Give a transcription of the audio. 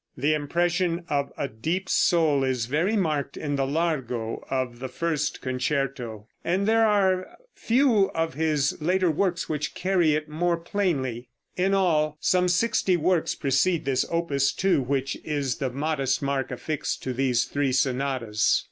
The impression of a deep soul is very marked in the Largo of the first concerto, and there are few of his later works which carry it more plainly. In all, some sixty works precede this Opus 2, which is the modest mark affixed to these three sonatas.